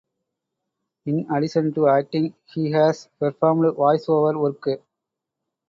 In addition to acting, he has performed voice-over work.